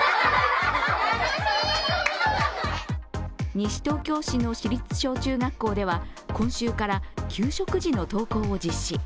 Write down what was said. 西東京市の市立小中学校では今週から給食時の登校を実施。